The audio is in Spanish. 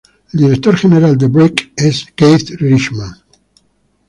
El director general de Break es Keith Richman.